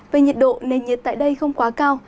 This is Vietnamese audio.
về nhiệt độ nền nhiệt tại đây không quá cao